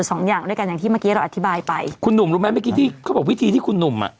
สองอย่างด้วยกันอย่างที่เมื่อกี้เราอธิบายไปคุณหนุ่มรู้ไหมเมื่อกี้ที่เขาบอกวิธีที่คุณหนุ่มอ่ะ